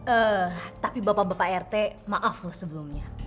eh tapi bapak bapak rt maaf loh sebelumnya